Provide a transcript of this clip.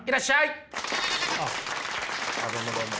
あっどうもどうも。